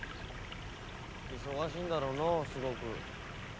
忙しいんだろうなすごく。